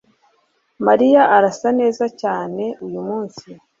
Mariya arasa neza cyane uyumunsi